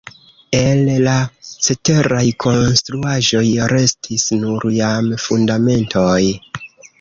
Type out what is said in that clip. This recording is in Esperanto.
El la ceteraj konstruaĵoj restis nur jam fundamentoj.